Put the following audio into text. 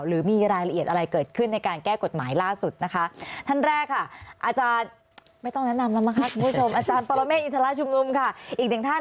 หรือมีรายละเอียดอะไรเกิดขึ้นในการแก้กฎหมายล่าสุดนะคะท่านแรกค่ะอาจารย์ไม่ต้องแนะนำแล้วมั้งค่ะคุณผู้ชมอาจารย์ปรเมฆอินทราชุมนุมค่ะอีกหนึ่งท่าน